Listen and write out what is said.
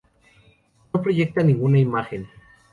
No proyecta ninguna imagen.